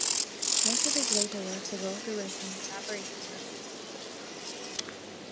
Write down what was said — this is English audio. Much of his later work was also written in collaboration with others.